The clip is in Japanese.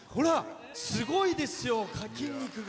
すごいですよ、筋肉が。